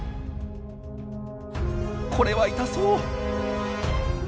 これは痛そう。